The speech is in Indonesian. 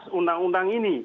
bahas undang undang ini